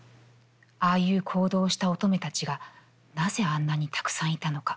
ああいう行動をした乙女たちがなぜあんなにたくさんいたのか？